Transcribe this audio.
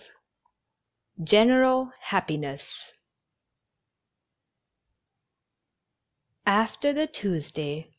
GENERAL HAPPINESS. FTEE the Tuesday, M.